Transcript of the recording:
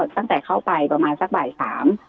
ตั้งแต่เข้าไปประมาณสักบ่ายสาม